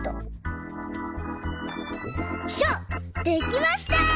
できました！